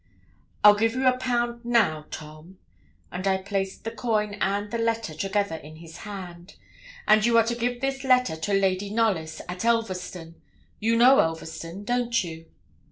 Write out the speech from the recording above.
'I'll give you a pound now, Tom,' and I placed the coin and the letter together in his hand. 'And you are to give this letter to Lady Knollys, at Elverston; you know Elverston, don't you?'